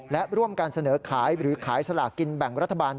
และร่วมกันเสนอขายหรือขายสลากกินแบ่งรัฐบาล